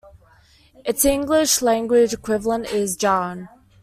Its English-language equivalent is "Jaron".